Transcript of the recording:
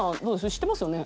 知ってますよね？